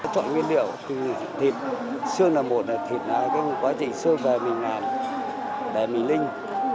chọn nguyên liệu thịt xương là một thịt là một quá trình xương và mình làm để mình linh